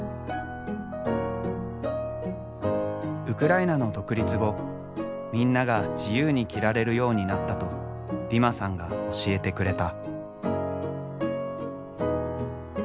ウクライナの独立後みんなが自由に着られるようになったとディマさんが教えてくれた。